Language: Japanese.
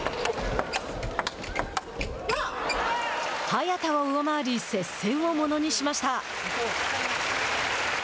早田を上回り接戦をものにしました。